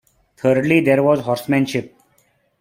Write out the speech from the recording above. Thirdly there was horsemanship.